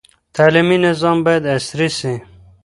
تعلیمي نظام باید عصري سي.